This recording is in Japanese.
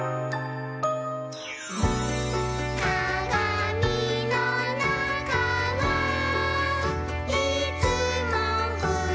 「かがみのなかはいつもふしぎ」